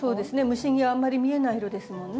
虫にあんまり見えない色ですもんね。